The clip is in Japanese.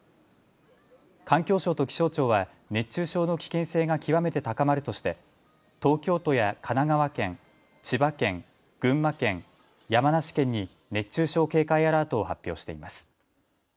環境省と気象庁は熱中症の危険性が極めて高まるとして東京都や神奈川県、千葉県、群馬県、山梨県に熱中症警戒アラートを発表しています。